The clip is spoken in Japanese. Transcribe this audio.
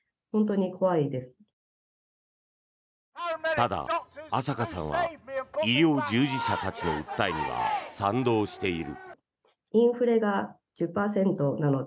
ただ、アサカさんは医療従事者たちの訴えには賛同している。